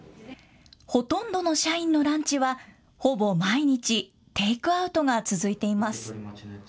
ほとんどの社員のランチはほぼ毎日、テイクアウトが続いています。